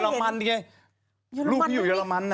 เยอรมันนี่ไงรูปพี่อยู่เยอรมัน